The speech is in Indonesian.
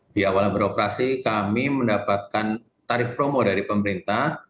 di awal beroperasi kami mendapatkan tarif promo dari pemerintah